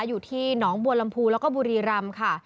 อยู่ที่หนองบัวลำพูแล้วก็บุรีรำค่ะ